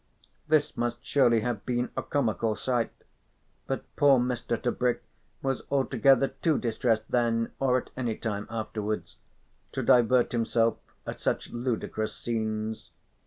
This must surely have been a comical sight, but poor Mr. Tebrick was altogether too distressed then or at any time afterwards to divert himself at such ludicrous scenes.